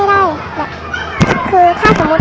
น้องน้องได้อยู่ทั้งส่วน